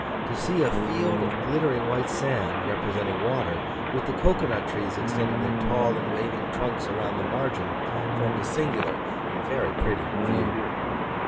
To see a field of glittering white sand, representing water, with the cocoa nut trees extending their tall and waving trunks around the margin, formed a singular and very pretty view.